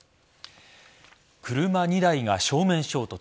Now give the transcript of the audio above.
車２台が正面衝突。